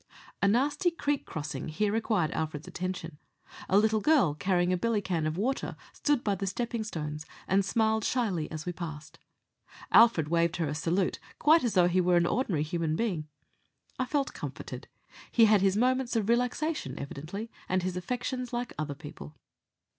A nasty creek crossing here required Alfred's attention. A little girl, carrying a billy can of water, stood by the stepping stones, and smiled shyly as we passed. Alfred waved her a salute quite as though he were an ordinary human being. I felt comforted. He had his moments of relaxation evidently, and his affections like other people.